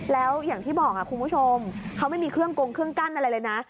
แล้วอย่างที่บอกคุณผู้ชมเขาไม่มีเครื่องกงเครื่องกั้นอะไรเลยนะ